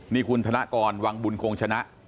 นี่คุณธนกรวังบุญคงชนะ